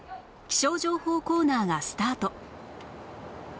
気象情報コーナーがスタート